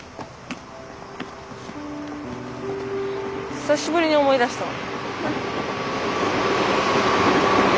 久しぶりに思い出したわ。